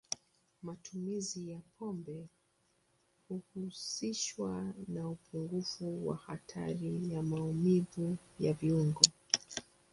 Matumizi ya pombe huhusishwa na upungufu wa hatari ya maumivu ya viungo.